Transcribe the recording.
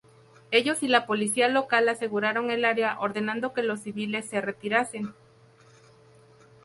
Ellos y la policía local aseguraron el área, ordenando que los civiles se retirasen.